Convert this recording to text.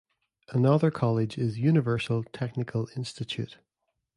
Another college is Universal Technical Institute.